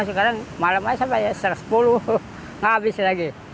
sekarang malam aja sampai satu ratus sepuluh nggak habis lagi